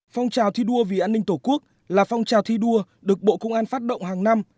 phong trào thi đua vì an ninh tổ quốc là phong trào thi đua được bộ công an phát động hàng năm